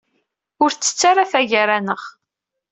Ur tettett ara ta gar-aneɣ.